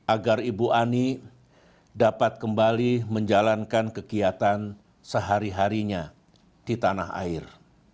agar ibu ani dapat kembali menjalankan kegiatan sehari harinya di tanah air